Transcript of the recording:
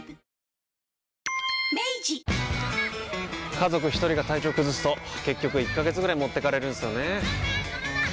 家族一人が体調崩すと結局１ヶ月ぐらい持ってかれるんすよねー。